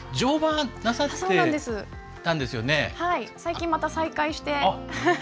最近、また再開して。